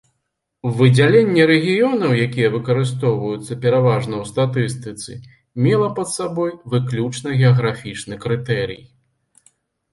Выдзяленне рэгіёнаў, якія выкарыстоўваюцца пераважна ў статыстыцы, мела пад сабою выключна геаграфічны крытэрый.